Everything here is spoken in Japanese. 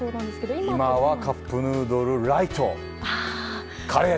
今はカップヌードルライト。